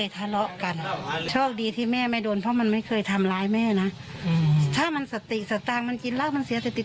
ถ้ามันสติกสตางค์มันกินร่าคมันเสียสติก